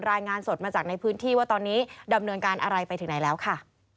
รายงานสดมาจากในพื้นที่ว่าตอนนี้ดำเนินการอะไรไปถึงไหนแล้วค่ะ